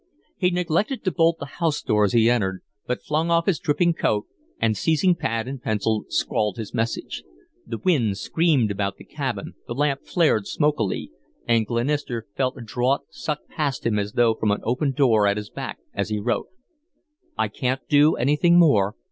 He neglected to bolt the house door as he entered, but flung off his dripping coat and, seizing pad and pencil, scrawled his message. The wind screamed about the cabin, the lamp flared smokily, and Glenister felt a draught suck past him as though from an open door at his back as he wrote: "I can't do anything more.